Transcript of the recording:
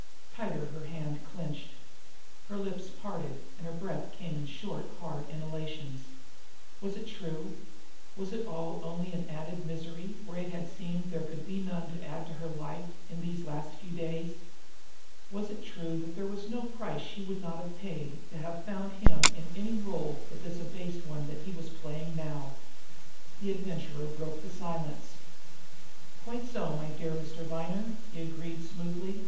Tighter her hand clenched. Her lips parted, and her breath came in short, hard inhalations. Was it true? Was it all only an added misery, where it had seemed there could be none to add to her life in these last few days? Was it true that there was no price she would not have paid to have found him in any role but this abased one that he was playing now? The Adventurer broke the silence. "Quite so, my dear Mr. Viner!" he agreed smoothly.